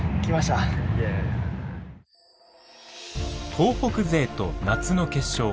東北勢と夏の決勝。